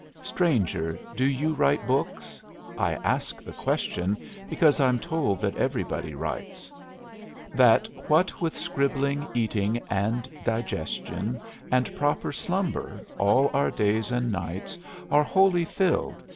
Stranger, do you write books? I ask the question, Because I'm told that everybody writes That what with scribbling, eating, and digestion, And proper slumber, all our days and nights Are wholly filled.